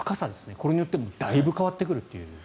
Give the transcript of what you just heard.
これによってもだいぶ変わってくるという。